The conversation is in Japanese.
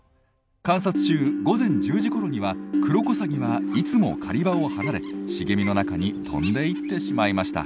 観察中午前１０時ごろにはクロコサギはいつも狩り場を離れ茂みの中に飛んでいってしまいました。